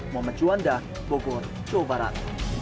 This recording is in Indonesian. mohon maju anda bogor jawa barat